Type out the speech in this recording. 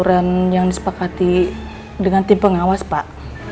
aturan yang disepakati dengan tim pengawas pak